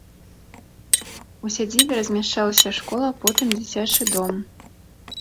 У сядзібе размяшчалася школа, потым дзіцячы дом.